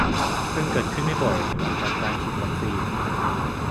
ซึ่งเกิดขึ้นไม่บ่อยหลังจากการฉีดวัคซีน